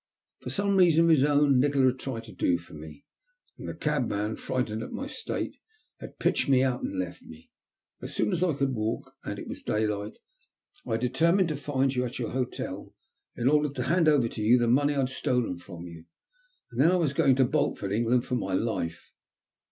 For some reason of his own Nikola had tried to do for me ; and the cabman, frightened at my state, had pitched me out and left me. As soon as I could walk, and it was daylight, I determined to find you at your hotel, in order to hand over to you the money I had stolen from you, and then I was going to bolt from England for my life.